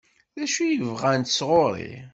D acu i bɣant sɣur-i?